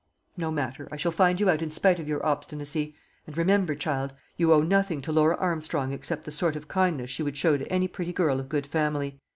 "No matter. I shall find you out in spite of your obstinacy. And remember, child, you owe nothing to Laura Armstrong except the sort of kindness she would show to any pretty girl of good family.